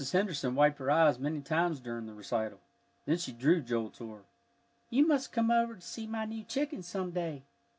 Henderson wiped her eyes many times during the recital, then she drew Joel to her. "You must come over to see my new chickens some day."